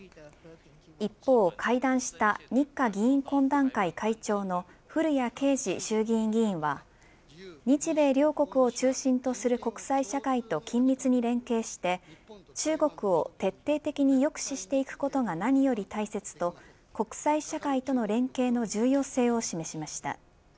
一方、会談した日華議員懇談会会長の古屋圭司衆議院議員は日米両国を中心とする国際社会と緊密に連携して中国を徹底的に抑止していくことが何より大切と国際社会との連携の重要性を示しました。